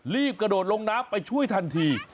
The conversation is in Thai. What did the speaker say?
รีบกระโดดลงน้ำไปช่วยทันที